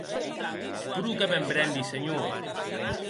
Pro que me’n brembi, senhor.